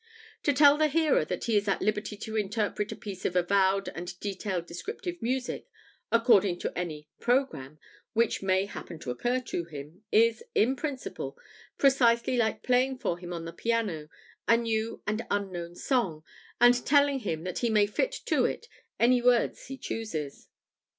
To tell the hearer that he is at liberty to interpret a piece of avowed and detailed descriptive music according to any "programme" which may happen to occur to him, is, in principle, precisely like playing for him on the piano a new and unknown song, and telling him that he may fit to it any words he chooses.